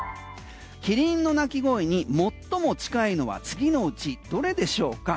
キリンの鳴き声に最も近いのは次のうちどれでしょうか。